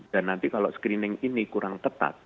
dan nanti kalau screening ini kurang tepat